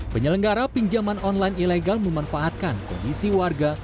penyelenggara pinjaman online ilegal memanfaatkan kondisi warga